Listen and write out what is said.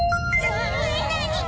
なに？